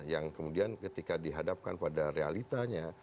yang kemudian ketika dihadapkan pada realitanya